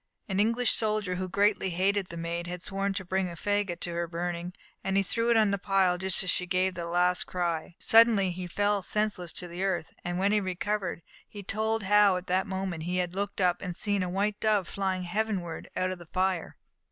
An English soldier, who greatly hated the Maid, had sworn to bring a faggot to her burning, and he threw it on the pile just as she gave that last cry. Suddenly he fell senseless to the earth, and when he recovered, he told how at that moment he had looked up, and had seen a white dove fly heavenward out of the fire.